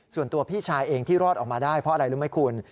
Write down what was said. ส่วนตัวพี่ชายเองที่รอดออกมาได้เพราะอะไรรู้ไหมคุณ